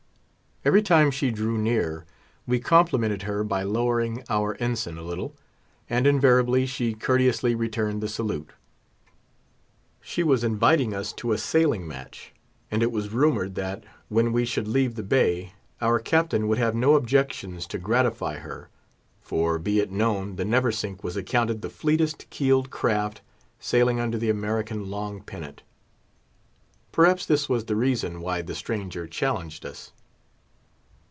Every time she drew near, we complimented her by lowering our ensign a little, and invariably she courteously returned the salute. She was inviting us to a sailing match; and it was rumoured that, when we should leave the bay, our Captain would have no objections to gratify her; for, be it known, the Neversink was accounted the fleetest keeled craft sailing under the American long pennant. Perhaps this was the reason why the stranger challenged us.